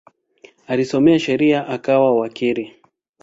Alisoma sheria akawa wakili.